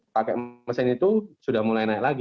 pakai mesin itu sudah mulai naik lagi